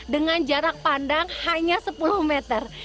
dengan jarak pandang hanya sepuluh meter